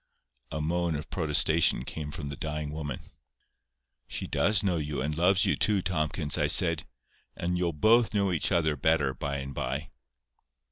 A moan of protestation came from the dying woman. "She does know you, and loves you too, Tomkins," I said. "And you'll both know each other better by and by."